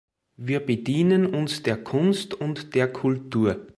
Wir bedienen uns der Kunst und der Kultur.